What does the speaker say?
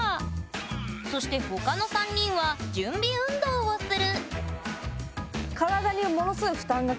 そして他の３人は「準備運動をする」